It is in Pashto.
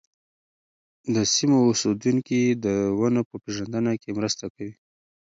د سیمو اوسېدونکي د ونو په پېژندنه کې مرسته کوي.